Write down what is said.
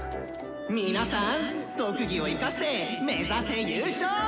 「皆さん特技を生かして目指せ優勝！」。